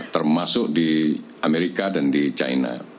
termasuk di amerika dan di china